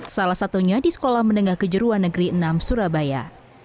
salah satunya di sekolah menengah kejuruan negeri enam surabaya